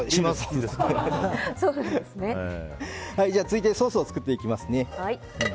続いてソースを作っていきますね。